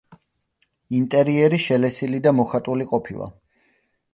ინტერიერი შელესილი და მოხატული ყოფილა.